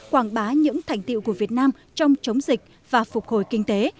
quảng bá những thành tiệu của việt nam trong chống dịch và phục hồi kinh tế